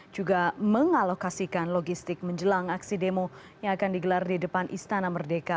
juga mengalokasikan logistik menjelang aksi demo yang akan digelar di depan istana merdeka